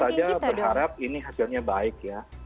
nah kita sebetulnya berharap ini hasilnya baik ya